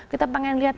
kita ingin melihat